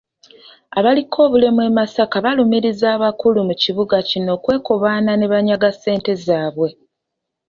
Abaliko obulemu e Masaka balumirizza abakulu mu kibuga kino okwekobaana ne banyaga ssente zaabwe